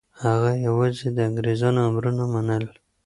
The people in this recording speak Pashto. هغه یوازې د انګریزانو امرونه منل.